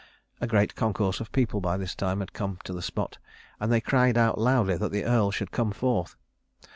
A great concourse of people by this time had come to the spot, and they cried out loudly that the earl should come forth.